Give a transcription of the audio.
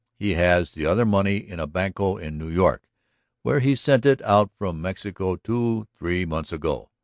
He has the other money in a banco in New York, where he sent it out from Mexico two, three months ago."